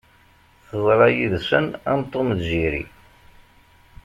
Teḍra yid-sen am Tom d Jerry